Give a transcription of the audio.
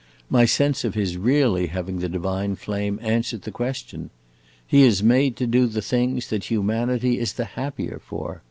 My sense of his really having the divine flame answered the question. He is made to do the things that humanity is the happier for!